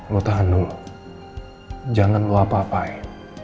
lo tahan dulu jangan lo ngapain